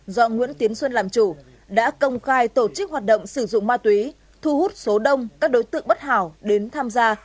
do nguyễn tiến xuân làm chủ đã công khai tổ chức hoạt động sử dụng ma túy thu hút số đông các đối tượng bất hảo đến tham gia